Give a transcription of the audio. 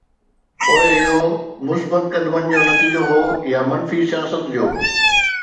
پوءِ اهو مثبت قدمن جو نتيجو هو يا منفي سياست جو؟